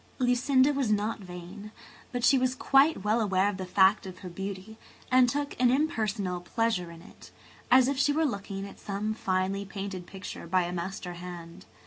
Lucinda was not vain, but she was quite well aware of the fact of her beauty and took an impersonal pleasure in it, as if she were looking at some finely painted picture by a master hand.